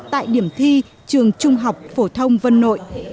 tại điểm thi trường trung học phổ thông vân nội